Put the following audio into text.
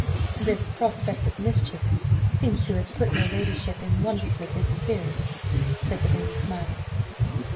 "This prospect of mischief seems to have put your ladyship in wonderfully good spirits," said Belinda, smiling.